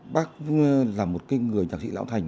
bác là một cái người nhạc sĩ lão thành